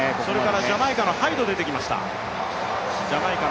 ジャマイカのハイドが出てきました。